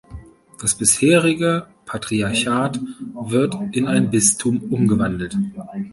Das bisherige Patriarchat wird in ein Bistum umgewandelt.